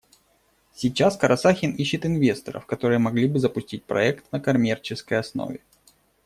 Сейчас Карасахин ищет инвесторов, которые могли бы запустить проект на коммерческой основе.